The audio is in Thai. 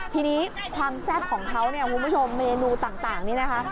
ทีนี้ความแซ่บของเขาเนี่ยคุณผู้ชมเมนูต่างนี่นะคะ